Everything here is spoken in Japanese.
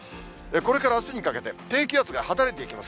これからあすにかけて、低気圧が離れていきます。